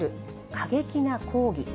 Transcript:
過激な抗議。